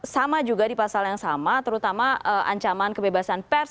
sama juga di pasal yang sama terutama ancaman kebebasan pers